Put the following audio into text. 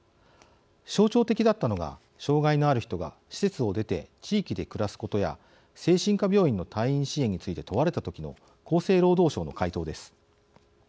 象徴的だったのが障害のある人が施設を出て地域で暮らすことや精神科病院の退院支援について問われた時の厚生労働省の回答です。